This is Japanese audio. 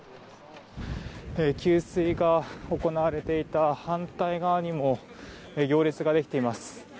給水が行われていた反対側にも行列ができています。